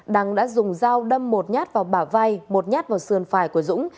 đăng đã dùng dao đâm một nhát vào bà vai một nhát vào sườn phải của dũng